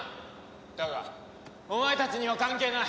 だがお前たちには関係ない。